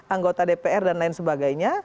anggota dpr dan lain sebagainya